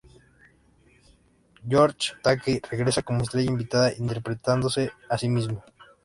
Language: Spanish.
George Takei regresa como estrella invitada, interpretándose a sí mismo.